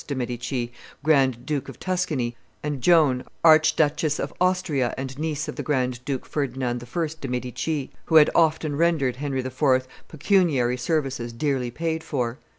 de' Medici, Grand Duke of Tuscany, and Joan, Archduchess of Austria and niece of the Grand Duke Ferdinand I. de' Medici, who had often rendered Henry IV. pecuniary services dearly paid for.